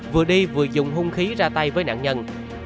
vừa đi vừa dùng hung khí ra tay với nạn nhân